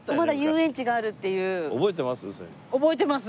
覚えてます？